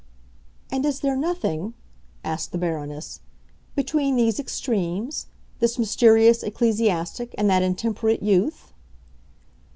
"And is there nothing," asked the Baroness, "between these extremes—this mysterious ecclesiastic and that intemperate youth?"